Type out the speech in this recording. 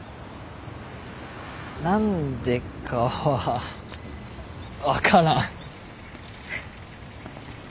何でかは分からん。